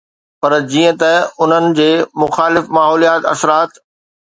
پر جيئن ته انهن جي مخالف ماحوليات اثرات